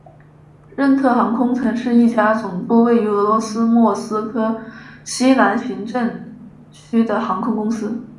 任特航空曾是一家总部位于俄罗斯莫斯科西南行政区的航空公司。